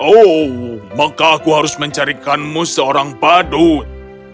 oh maka aku harus mencarikanmu seorang padut